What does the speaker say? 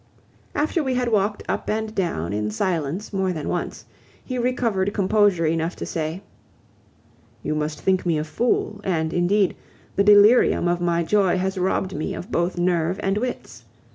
After we had walked up and down in silence more than once, he recovered composure enough to say: "You must think me a fool; and, indeed, the delirium of my joy has robbed me of both nerve and wits.